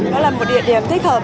đó là một địa điểm thích hợp